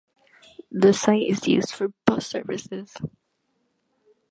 The site is used for bus services.